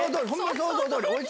想像どおり。